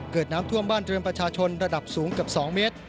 เกิดน้ำท่วมบ้านเรือนประชาชนระดับสูงเกือบ๒เมตร